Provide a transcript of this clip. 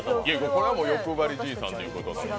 これは欲張りじいさんということで。